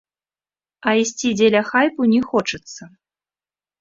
А ісці дзеля хайпу не хочацца.